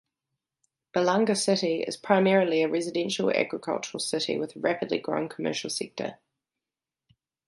Balanga City is primarily a residential-agricultural city, with a rapidly growing commercial sector.